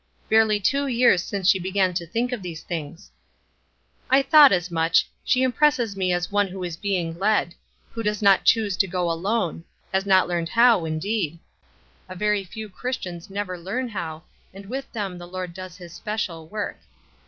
"Barely two years since she began to think of these things." "I thought as much. She impresses me as one who is being led; who does not choose to go alone; has not learned how, indeed. A very few Christians never learn how, and with them the Lord does his special work.